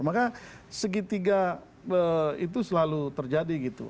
maka segitiga itu selalu terjadi gitu